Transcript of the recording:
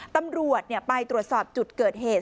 ตำรวจไปตรวจสอบจุดเกิดเหตุ